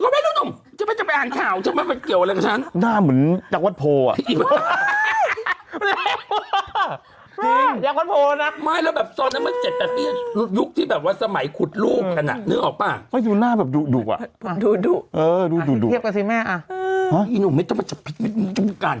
ไม่รู้ด้วยไม่ด้วยสองอย่างเดียวคือเอารูปมาจากไหนดูกัน